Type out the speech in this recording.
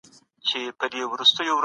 هغه سرورونه ارزانه نه دي.